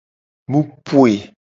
Mu poe.